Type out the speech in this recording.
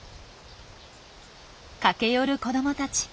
駆け寄る子どもたち。